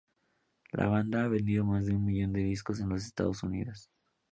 La banda ha vendido más de un millón de discos en los Estados Unidos.